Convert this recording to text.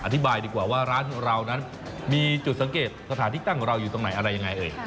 อธิบายดีกว่าว่าร้านของเรานั้นมีจุดสังเกตสถานที่ตั้งของเราอยู่ตรงไหนอะไรยังไงเอ่ย